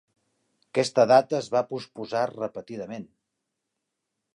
Aquesta data es va posposar repetidament.